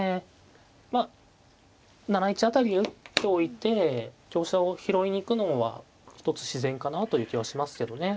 まあ７一辺りに打っておいて香車を拾いに行くのは一つ自然かなという気はしますけどね。